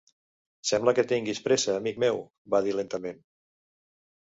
"Sembla que tinguis pressa, amic meu", va dir lentament.